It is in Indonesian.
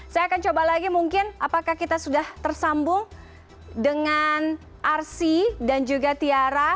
saya akan coba lagi mungkin apakah kita sudah tersambung dengan arsy dan juga tiara